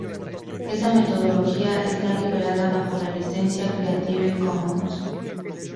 Esta metodología está liberada bajo la licencia Creative Commons.